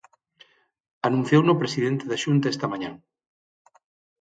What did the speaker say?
Anunciouno o presidente da Xunta esta mañá.